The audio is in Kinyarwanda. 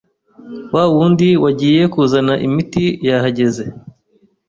wa wundi wagiye kuzana imiti yahageze